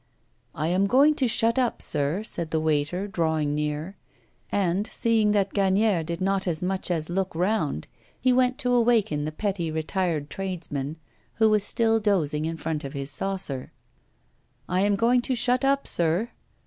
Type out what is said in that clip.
'I am going to shut up, sir,' said the waiter, drawing near. And, seeing that Gagnière did not as much as look round, he went to awaken the petty retired tradesman, who was still dozing in front of his saucer. 'I am going to shut up, sir.